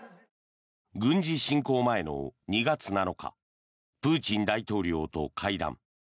軍事侵攻前の２月７日プーチン大統領と会談。